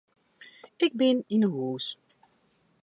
Ik bin yn 'e hûs.